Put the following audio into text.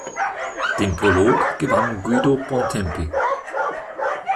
Den Prolog gewann Guido Bontempi.